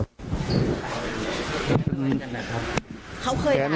ไม่ควรตอบคมสรรค่ะ